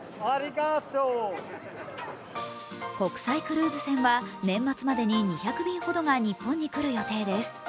国際クルーズ船は、年末までに２００便ほどが日本に来る予定です。